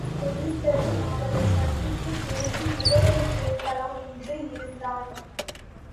முடிந்ததும் அவளைச் சந்தித்துப் பேசி முகவரி கேட்கலாம் என்று இருந்தான்.